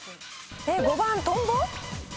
５番トンボ？